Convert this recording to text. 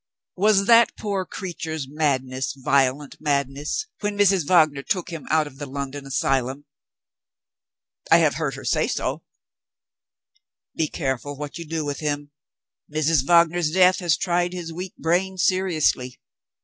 "Was that poor creature's madness violent madness, when Mrs. Wagner took him out of the London asylum?" "I have heard her say so." "Be careful what you do with him. Mrs. Wagner's death has tried his weak brain seriously.